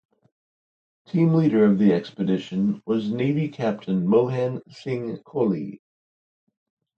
Team leader of the expedition was Navy Captain Mohan Singh Kohli.